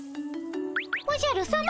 おじゃるさま？